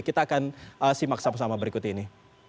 kita akan simak sama sama berikut ini